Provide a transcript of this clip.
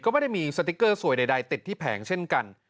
ก็ไม่ได้มีสติ๊กเกอร์สวยใดติดที่แผงเช่นกัน